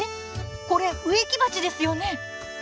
これ植木鉢ですよね？